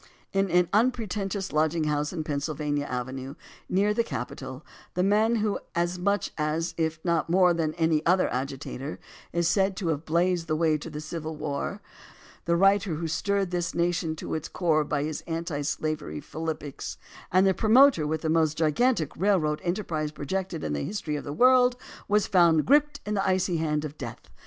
In an unpretentious lodging house in Pennsylvania Avenue, near the Capitol, the man who as much, if not more than any other agitator, is said to have blazed the way to the Civil War, the writer who stirred this nation to its core by his anti slavery philippics, and the promoter with the most gigantic railroad enterprise projected in the history of the world, was found gripped in the icy hand of death.